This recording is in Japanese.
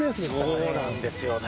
そうなんですよね。